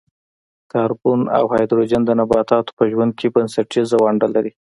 کاربن او هایدروجن د نباتاتو په ژوند کې بنسټیزه ونډه لري.